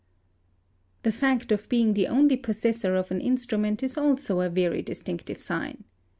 4 The fact of being the only possessor of an instrument is also a vel distinctive sign.